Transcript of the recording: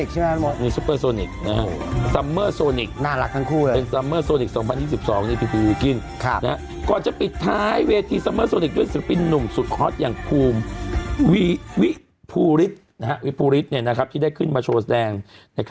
ถามแบรนด์อัลกิตอธิบาย